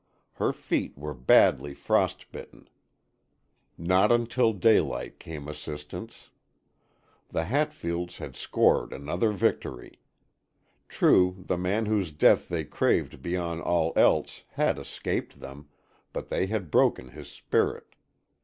Her feet were badly frost bitten. Not until daylight came assistance. The Hatfields had scored another victory. True, the man whose death they craved beyond all else, had escaped them, but they had broken his spirit.